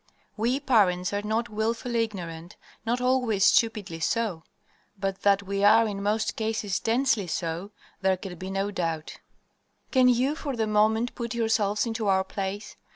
We parents are not willfully ignorant, not always stupidly so; but that we are in most cases densely so, there can be no doubt. "Can you for the moment put yourselves into our place?